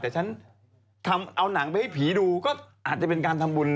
แต่ฉันทำเอาหนังไปให้ผีดูก็อาจจะเป็นการทำบุญ